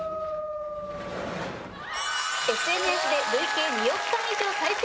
ＳＮＳで累計２億回以上再生